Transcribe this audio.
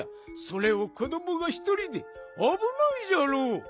それを子どもがひとりであぶないじゃろう。